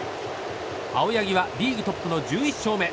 青柳はリーグトップの１１勝目。